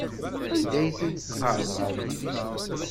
Anda ay tent-tqerḍem?